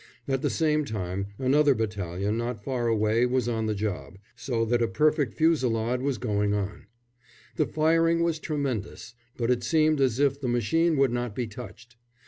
At the same time another battalion not far away was on the job, so that a perfect fusillade was going on. The firing was tremendous, but it seemed as if the machine would not be touched.